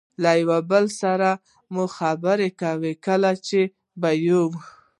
یو له بل سره مو خبرې کولې، کله چې به یوه.